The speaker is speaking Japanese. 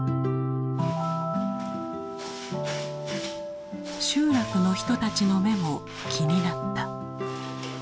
集落の人たちの目も気になった。